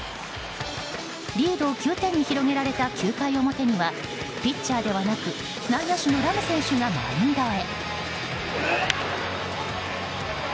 リードを９点に広げられた９回表にはピッチャーではなく内野手のラム選手がマウンドへ。